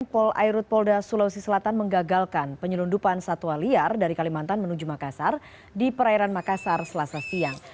polairut polda sulawesi selatan menggagalkan penyelundupan satwa liar dari kalimantan menuju makassar di perairan makassar selasa siang